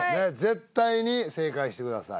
絶対に正解してください